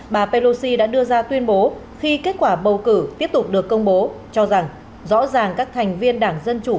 bà pelosi đã đưa ra tuyên bố khi kết quả bầu cử tiếp tục được công bố cho rằng rõ ràng các thành viên đảng dân chủ